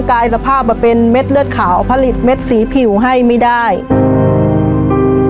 ชีวิตหนูเกิดมาเนี่ยอยู่กับดิน